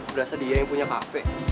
berasa dia yang punya kafe